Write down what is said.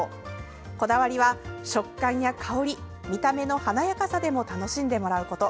こだわりは、食感や香り見た目の華やかさでも楽しんでもらうこと。